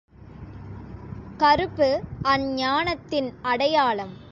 கறுப்பு, அஞ்ஞானத்தின் அடையாளம்.